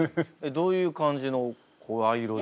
どういう感じの声色で？